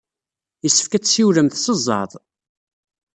Yessefk ad tessiwlemt s zzeɛḍ.